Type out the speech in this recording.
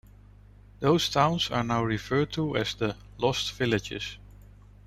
Those towns are now referred to as the "Lost Villages".